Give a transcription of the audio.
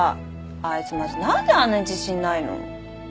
あいつマジ何であんなに自信ないの？